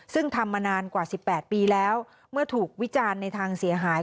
ซึ่งทำมานานกว่า๑๘ปีแล้วเมื่อถูกวิจารณ์ในทางเสียหาย